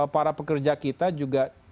para pekerja kita juga